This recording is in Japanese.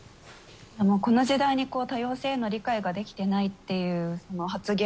この時代に多様性への理解ができていないという発言